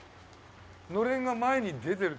のれんが前に出てる。